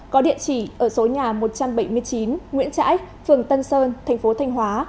có địa chỉ ở số nhà một trăm bảy mươi chín nguyễn trãi phường tân sơn tp thanh hóa